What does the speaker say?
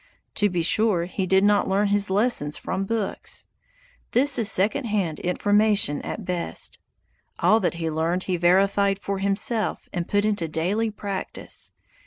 To be sure, he did not learn his lessons from books. This is second hand information at best. All that he learned he verified for himself and put into daily practice.